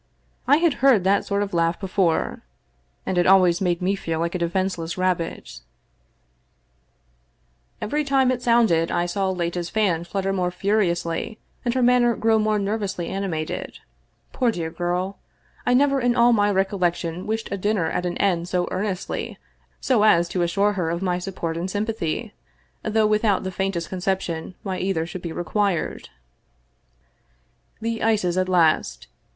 I had heard that sort of laugh before, and it always made me feel like a defenseless rabbit 267 English Mystery Stories Every time it sounded I saw Leta's fan flutter more furi ously and her manner grow more nervously animated. Poor dear girl! I never in all my recollection wished a dinner at an end so earnestly so as to assure her of my support and sympathy, though without the faintest conception why either should be required. The ices at last.